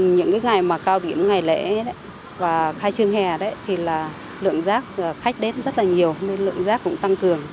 những ngày mà cao điểm ngày lễ và khai trương hè thì là lượng rác khách đến rất là nhiều nên lượng rác cũng tăng cường